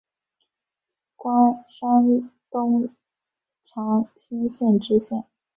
官山东长清县知县。